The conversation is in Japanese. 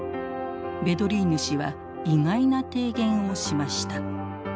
ヴェドリーヌ氏は意外な提言をしました。